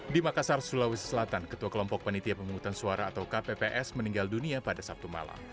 di makassar sulawesi selatan ketua kelompok penitia pemungutan suara atau kpps meninggal dunia pada sabtu malam